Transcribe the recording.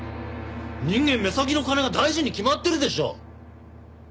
人間目先の金が大事に決まってるでしょう！